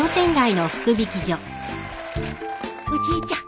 おじいちゃん